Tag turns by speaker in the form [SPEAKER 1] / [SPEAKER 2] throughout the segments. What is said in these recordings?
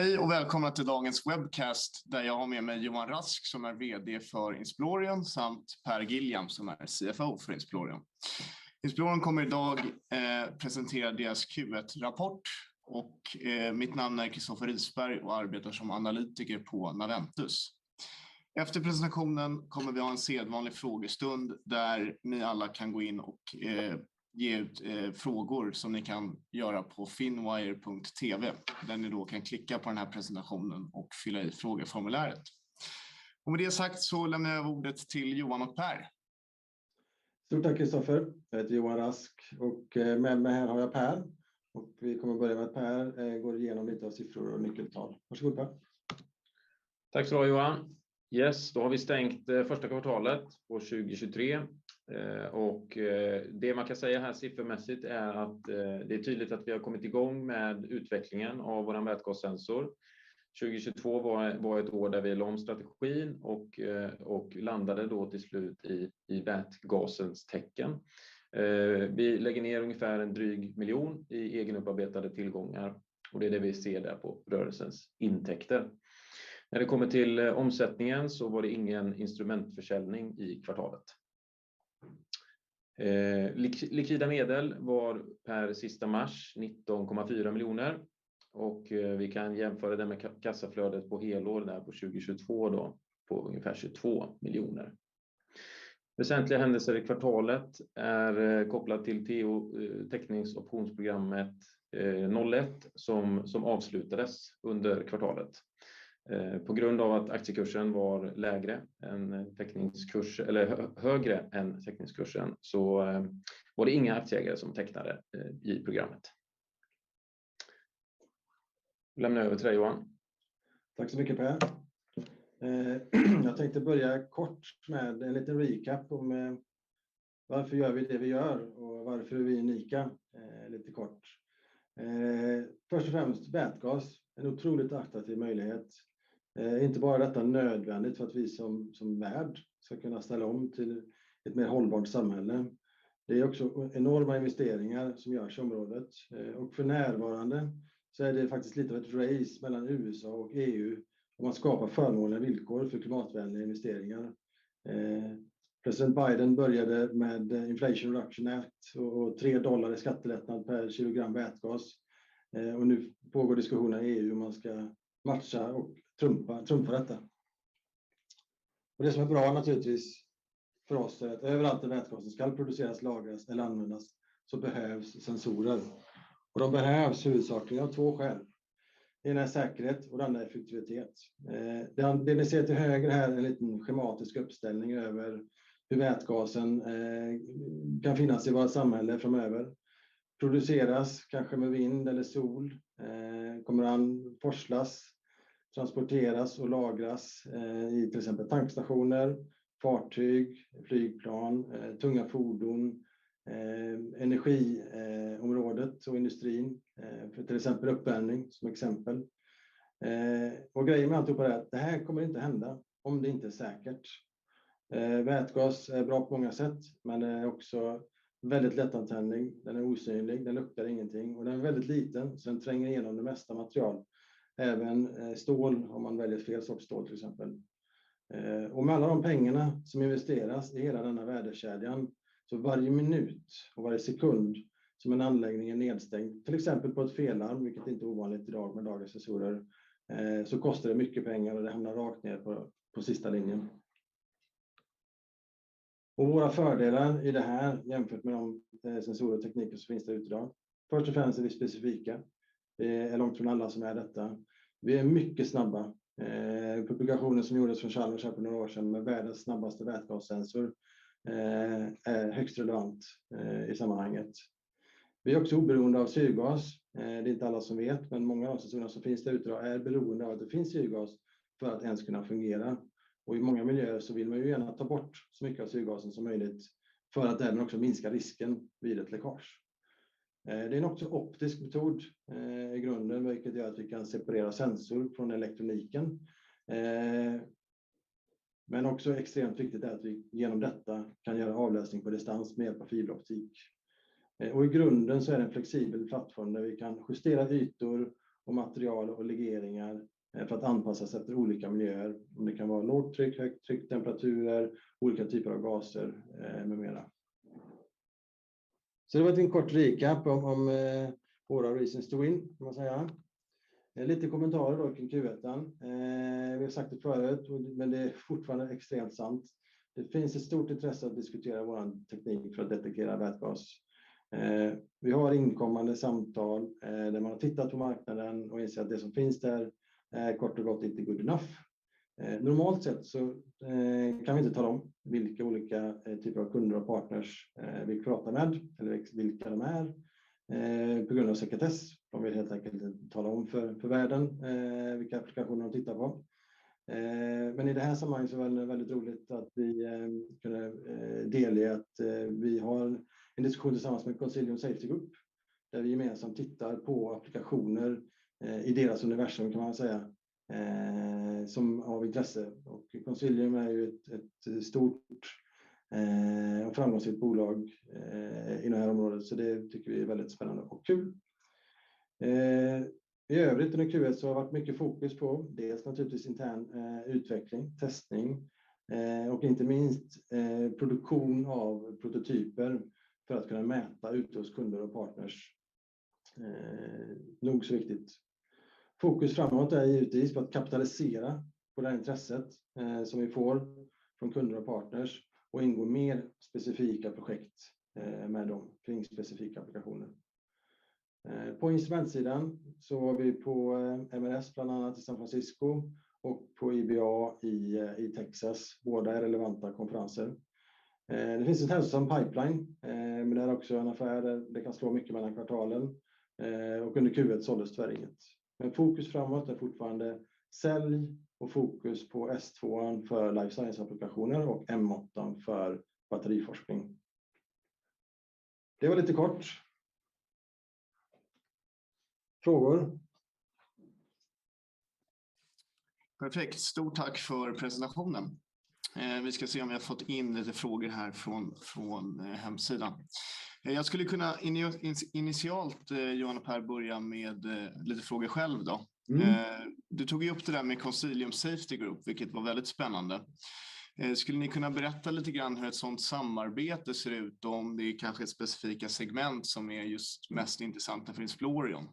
[SPEAKER 1] Hej och välkomna till dagens webcast där jag har med mig Johan Rask som är vd för Insplorion samt Per Giljam som är CFO för Insplorion. Insplorion kommer i dag presentera deras Q1-rapport och mitt namn är Christoffer Risberg och arbetar som analytiker på Naventus. Efter presentationen kommer vi att ha en sedvanlig frågestund där ni alla kan gå in och ge ut frågor som ni kan göra på finwire.tv. Där ni då kan klicka på den här presentationen och fylla i frågeformuläret. Med det sagt så lämnar jag över ordet till Johan och Per.
[SPEAKER 2] Stort tack Christoffer. Jag heter Johan Rask och med mig här har jag Per. Vi kommer börja med att Per går igenom lite av siffror och nyckeltal. Varsågod Per.
[SPEAKER 3] Tack ska du ha Johan. Yes, då har vi stängt första kvartalet på 2023. Det man kan säga här siffermässigt är att det är tydligt att vi har kommit i gång med utvecklingen av vår vätgassensor. 2022 var ett år där vi lade om strategin och landade då till slut i vätgasens tecken. Vi lägger ner ungefär en dryg miljon SEK i egenupparbetade tillgångar och det är det vi ser där på rörelsens intäkter. När det kommer till omsättningen var det ingen instrumentförsäljning i kvartalet. Likvida medel var per sista mars 19.4 million och vi kan jämföra det med kassaflödet på helåret där på 2022 då på ungefär 22 million. Väsentliga händelser i kvartalet är kopplat till TO, teckningsoptionsprogrammet TO1 som avslutades under kvartalet. På grund av att aktiekursen var lägre än teckningskurs eller högre än teckningskursen så var det inga aktieägare som tecknade i programmet. Lämnar över till dig Johan.
[SPEAKER 2] Tack så mycket Per. Jag tänkte börja kort med en liten recap om varför gör vi det vi gör och varför är vi unika, lite kort. Först och främst vätgas, en otroligt attraktiv möjlighet. Inte bara är detta nödvändigt för att vi som värld ska kunna ställa om till ett mer hållbart samhälle. Det är också enorma investeringar som görs i området. För närvarande så är det faktiskt lite av ett race mellan USA och EU om att skapa förmånliga villkor för klimatvänliga investeringar. President Biden började med Inflation Reduction Act och $3 i skattelättnad per kilogram vätgas. Nu pågår diskussionen i EU om man ska matcha och trumfa detta. Det som är bra naturligtvis för oss är att överallt där vätgasen ska produceras, lagras eller användas så behövs sensorer. De behövs huvudsakligen av two skäl. Det ena är säkerhet och det andra är effektivitet. Det ni ser till höger här är en liten schematisk uppställning över hur vätgasen kan finnas i vårt samhälle framöver. Produceras kanske med vind eller sol, kommer att forslas, transporteras och lagras i till exempel tankstationer, fartyg, flygplan, tunga fordon, energiområdet och industrin, för till exempel uppvärmning som exempel. Grejen med alltihop är att det här kommer inte hända om det inte är säkert. Vätgas är bra på många sätt, men är också väldigt lättantändlig. Den är osynlig, den luktar ingenting och den är väldigt liten. Den tränger igenom det mesta material, även stål, om man väljer fel sorts stål till exempel. Med alla de pengarna som investeras i hela denna värdekärlan, så varje minut och varje sekund som en anläggning är nedstängd, till exempel på ett felarm, vilket inte är ovanligt i dag med dagens sensorer, så kostar det mycket pengar och det hamnar rakt ner på sista linjen. Våra fördelar i det här jämfört med de sensorer och tekniker som finns där ute i dag. Först och främst är vi specifika. Det är långt från alla som är detta. Vi är mycket snabba. Publikationen som gjordes från Chalmers här för några år sedan med världens snabbaste vätgassensor är högst relevant i sammanhanget. Vi är också oberoende av syrgas. Det är inte alla som vet, men många av sensorerna som finns där ute är beroende av att det finns syrgas för att ens kunna fungera. I många miljöer så vill man ju gärna ta bort så mycket av syrgasen som möjligt för att även också minska risken vid ett läckage. Det är en också optisk metod i grunden, vilket gör att vi kan separera sensor från elektroniken. Också extremt viktigt är att vi genom detta kan göra avläsning på distans med hjälp av fiber optics. I grunden så är det en flexibel plattform där vi kan justera ytor och material och legeringar för att anpassa sig efter olika miljöer. Om det kan vara lågtryck, högtryck, temperaturer, olika typer av gaser med mera. Det var en kort recap om våra reasons to win kan man säga. Lite kommentarer då kring Q1. Vi har sagt det förut, men det är fortfarande extremt sant. Det finns ett stort intresse att diskutera våran teknik för att detektera vätgas. Vi har inkommande samtal där man har tittat på marknaden och inser att det som finns där är kort och gott inte good enough. Normalt sett kan vi inte tala om vilka olika typer av kunder och partners vi pratar med eller vilka de är. På grund av sekretess. De vill helt enkelt inte tala om för världen vilka applikationer de tittar på. I det här sammanhanget var det väldigt roligt att vi kunde delge att vi har en diskussion tillsammans med Consilium Safety Group, där vi gemensamt tittar på applikationer i deras universum kan man säga, som har intresse. Consilium är ju ett stort och framgångsrikt bolag i det här området. Det tycker vi är väldigt spännande och kul. I övrigt under Q1 så har det varit mycket fokus på dels naturligtvis intern utveckling, testning, och inte minst produktion av prototyper för att kunna mäta ute hos kunder och partners. Nog så viktigt. Fokus framåt är givetvis på att kapitalisera på det här intresset, som vi får från kunder och partners och ingå mer specifika projekt, med dem kring specifika applikationer. På instrumentsidan så var vi på MNS, bland annat i San Francisco och på IBA i Texas, båda är relevanta konferenser. Det finns en hälsosam pipeline, men det är också en affär där det kan slå mycket mellan kvartalen. Under Q1 såldes tyvärr inget. Fokus framåt är fortfarande sälj och fokus på S2 för life science-applikationer och M8 för batteriforskning. Det var lite kort. Frågor?
[SPEAKER 1] Perfekt. Stort tack för presentationen. Vi ska se om vi har fått in lite frågor här från hemsidan. Jag skulle kunna initialt, Johan och Per Giljam, börja med lite frågor själv då. Du tog ju upp det där med Consilium Safety Group, vilket var väldigt spännande. Skulle ni kunna berätta lite grann hur ett sådant samarbete ser ut om det kanske är specifika segment som är just mest intressanta för Insplorion?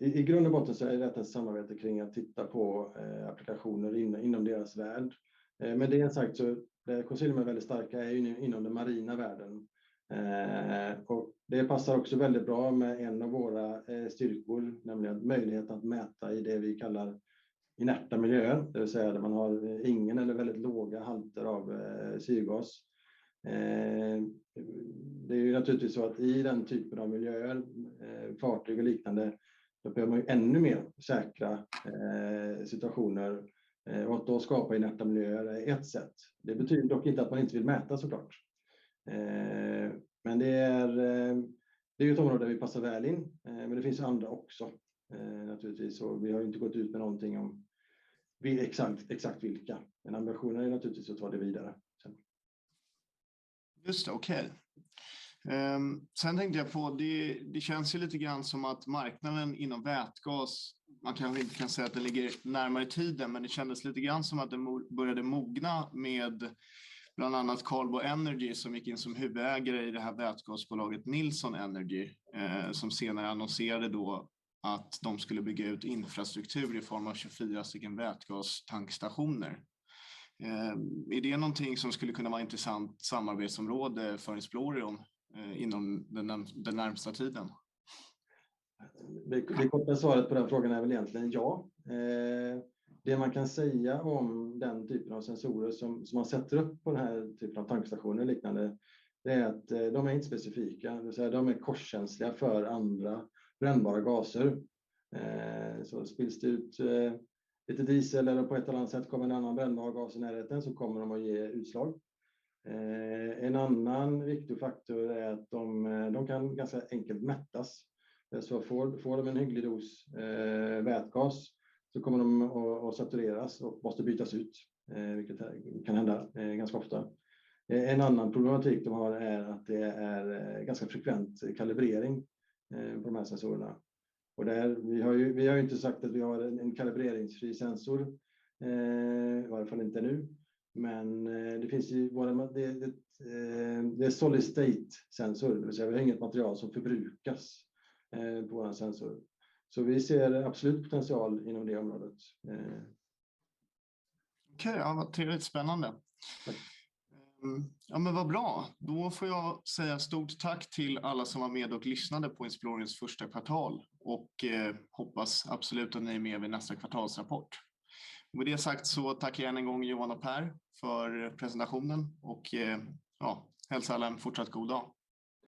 [SPEAKER 2] I grund och botten är detta ett samarbete kring att titta på applikationer inom deras värld. Med det sagt, Consilium är väldigt starka inom den marina världen. Det passar också väldigt bra med en av våra styrkor, nämligen möjlighet att mäta i det vi kallar inerta miljö, det vill säga där man har ingen eller väldigt låga halter av syrgas. Det är ju naturligtvis så att i den typen av miljöer, fartyg och liknande, behöver man ju ännu mer säkra situationer. Att då skapa inerta miljöer är ett sätt. Det betyder dock inte att man inte vill mäta så klart. Det är ju ett område där vi passar väl in, men det finns andra också naturligtvis. Vi har inte gått ut med någonting om exakt vilka. Ambitionen är naturligtvis att ta det vidare.
[SPEAKER 1] Just det, okej. Tänkte jag på. Det känns ju lite grann som att marknaden inom vätgas, man kanske inte kan säga att den ligger närmare i tiden, men det kändes lite grann som att den började mogna med bland annat Karlbo Energy som gick in som huvudägare i det här vätgasbolaget Nilsson Energy, som senare annonserade då att de skulle bygga ut infrastruktur i form av 24 stycken vätgastankstationer. Är det någonting som skulle kunna vara intressant samarbetsområde för Explorium inom den närmsta tiden?
[SPEAKER 2] Det korta svaret på den frågan är väl egentligen ja. Det man kan säga om den typen av sensorer som man sätter upp på den här typen av tankstationer och liknande, det är att de är inte specifika. Det vill säga, de är korsselektiva för andra brännbara gaser. Så spills det ut lite diesel eller på ett eller annat sätt kommer en annan brännbar gas i närheten så kommer de att ge utslag. En annan viktig faktor är att de kan ganska enkelt mättas. Så får de en hygglig dos vätgas så kommer de att satureras och måste bytas ut, vilket kan hända ganska ofta. En annan problematik de har är att det är ganska frekvent kalibrering på de här sensorerna. Det, vi har ju, vi har inte sagt att vi har en kalibreringsfri sensor i varje fall inte nu. Det finns ju, det är solid-state sensor, det vill säga vi har inget material som förbrukas på vår sensor. Vi ser absolut potential inom det området.
[SPEAKER 1] Okej, ja, vad trevligt, spännande. Ja, men vad bra. Då får jag säga stort tack till alla som var med och lyssnade på Insplorions första kvartal och hoppas absolut att ni är med vid nästa kvartalsrapport. Med det sagt tackar jag än en gång Johan och Per för presentationen och, ja, hälsa alla en fortsatt god dag.